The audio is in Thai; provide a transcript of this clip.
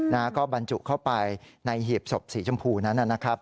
นะฮะก็บรรจุเข้าไปในหีบศพสีชมพูนั้นนะครับ